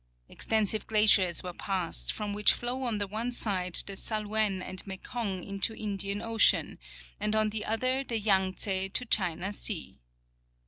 Extensive glaciers were passed, from which flow on the one side the Salouen and Mekong into Indian ocean, and on the other the Yang tse to China sea.